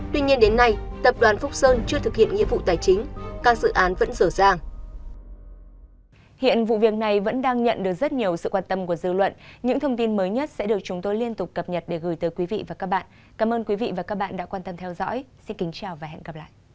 tuy nhiên đến nay tập đoàn phúc sơn chưa thực hiện nghĩa vụ tài chính các dự án vẫn dở dàng